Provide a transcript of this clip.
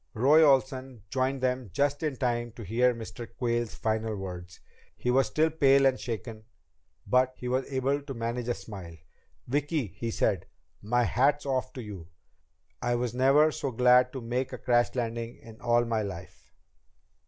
Roy Olsen joined them just in time to hear Mr. Quayle's final words. He was still pale and shaken, but he was able to manage a smile. "Vicki," he said, "my hat's off to you. I was never so glad to make a crash landing in all my life."